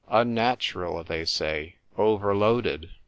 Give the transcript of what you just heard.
' Un natural,' they say; 'Overloaded.'